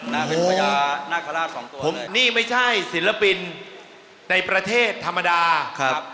น่าเป็นพญานาคาราชสองตัวผมนี่ไม่ใช่ศิลปินในประเทศธรรมดาครับ